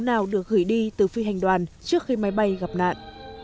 các nạn nhân đã được gửi đi từ phi hành đoàn trước khi máy bay gặp nạn